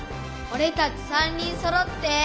オレたち３人そろって。